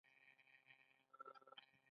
دوی بورسونه ورکوي او محصلین روزي.